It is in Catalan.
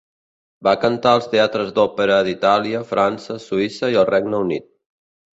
Va cantar als teatres d'òpera d'Itàlia, França, Suïssa i el Regne Unit.